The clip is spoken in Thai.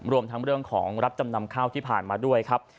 รวมทั้งเรื่องของรับจำนำข้าวที่ผ่านมาด้วยครับ